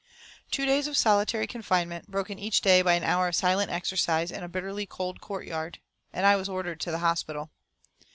Two days of solitary confinement, broken each day by an hour of silent exercise in a bitterly cold courtyard, and I was ordered to the hospital.